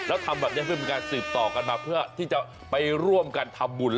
แล้วทำแบบนี้เพื่อเป็นการสืบต่อกันมาเพื่อที่จะไปร่วมกันทำบุญ